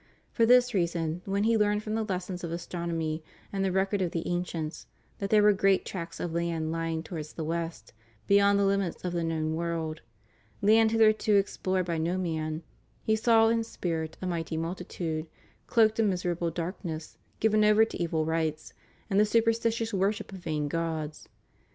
For this reason, when he learned from the lessons of astronomy and the record of the ancients, that there were great tracts of land lying towards the West, beyond the limits of the known world, lands hitherto explored by no man, he saw in spirit a mighty multitude, cloaked in miserable darkness, given over to evil rites, and the superstitious worship of vain gods.